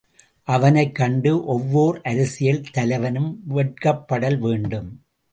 அவனைக் கண்டு ஒவ்வோர் அரசியல் தலைவனும் வெட்கப்படல் வேண்டும்.